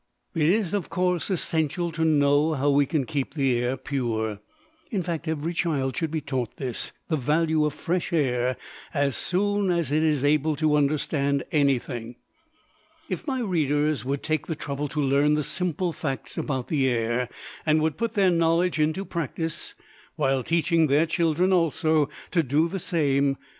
It is, of course, essential to know how we can keep the air pure. In fact, every child should be taught the value of fresh air, as soon as it is able to understand anything. If my readers would take the trouble to learn the simple facts about the air and would put their knowledge into practice, while teaching their children also to do the same.